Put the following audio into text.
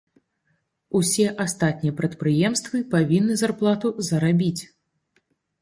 Усе астатнія прадпрыемствы павінны зарплату зарабіць.